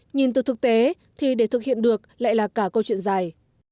nhìn từ thực tế thì để thực hiện được lại là cả câu chuyện dài